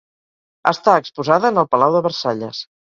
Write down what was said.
Està exposada en el Palau de Versalles.